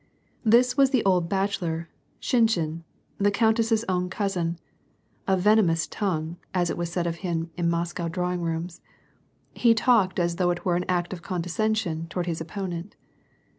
This was the old bachelor, Shinshin, the countess's own cousin, a " venomous tongue," as it was said of 68 WAR AND PEACE. him in IVloscow drawing rooms. He talked as though it were ail act of condescension toward his opponent.